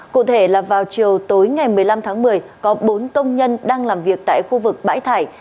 cụ thể là vào chiều tối ngày một mươi năm tháng một mươi có bốn công nhân đang làm việc tại khu vực bãi thải